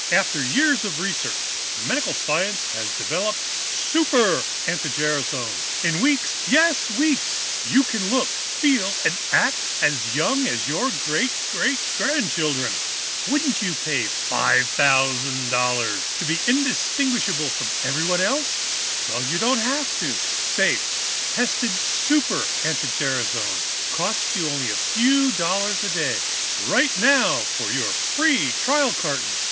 "After years of research, medical science has now developed Super anti gerasone! In weeks yes, weeks you can look, feel and act as young as your great great grandchildren! Wouldn't you pay $5,000 to be indistinguishable from everybody else? Well, you don't have to. Safe, tested Super anti gerasone costs you only a few dollars a day. "Write now for your free trial carton.